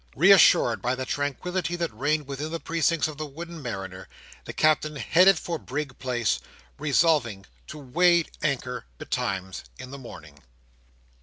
Reassured by the tranquillity that reigned within the precincts of the wooden mariner, the Captain headed for Brig Place, resolving to weigh anchor betimes in the morning.